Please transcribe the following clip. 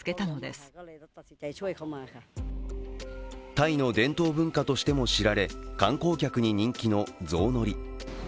タイの伝統文化としても知られ、観光客に人気のゾウ乗り。